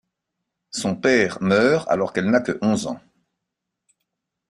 Son père meurt alors qu'elle n'a que onze ans.